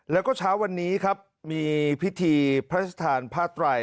แล้วก็เช้าวันนี้ครับมีพิธีพระชธานภาตร่าย